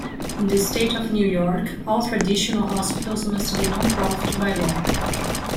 In the State of New York, all traditional hospitals must be non-profit by law.